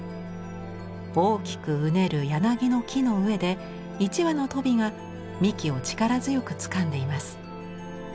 大きくうねる柳の樹の上で一羽の鳶が幹を力強くつかんでいます。